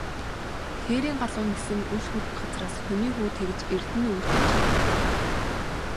Хээрийн галуу нисэн үл хүрэх газраас, хүний хүү тэгж эрдэнэ өвөртөлж харина.